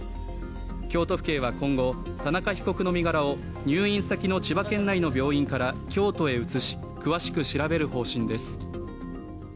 京都府警は今後、田中被告の身柄を入院先の千葉県内の病院から京都へ移し、詳しく調べる方針です。